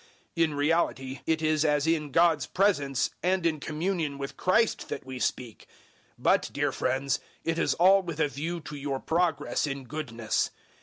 In reality it is as in God's presence and in communion with Christ that we speak; but, dear friends, it is all with a view to your progress in goodness.